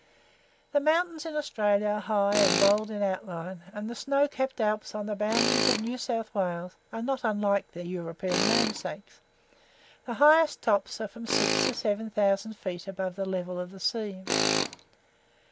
The mountains in Australia are high and bold in outline, and the snow capped Alps on the boundaries of New South Wales are not unlike their European namesakes, the highest tops are from six to seven thousand feet above the level of the sea.